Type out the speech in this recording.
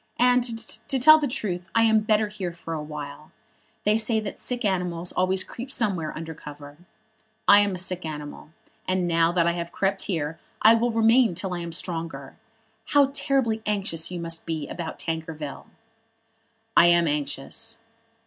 And, to tell the truth, I am better here for awhile. They say that the sick animals always creep somewhere under cover. I am a sick animal, and now that I have crept here I will remain till I am stronger. How terribly anxious you must be about Tankerville!" "I am anxious."